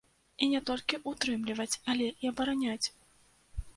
І не толькі ўтрымліваць, але і абараняць.